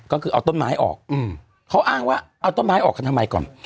ก็คือเอาต้นไม้ออกเขาอ้างว่าเอาต้นไม้ออกกันทำไมก่อน